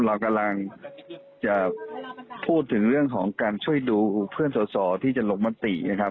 เรากำลังจะพูดถึงเรื่องของการช่วยดูเพื่อนสอสอที่จะลงมตินะครับ